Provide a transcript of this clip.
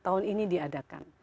tahun ini diadakan